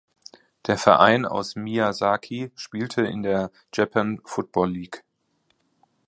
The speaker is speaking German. Der Verein aus Miyazaki spielte in der Japan Football League.